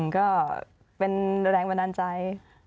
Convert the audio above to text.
ก็เป็นแรงบันดาลใจ